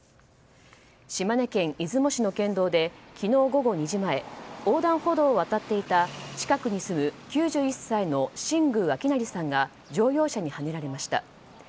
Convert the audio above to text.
島根県出雲市の県道で昨日午後２時前横断歩道を渡っていた近くに住む９１歳の新宮陽哉さんが乗用車にはねられました。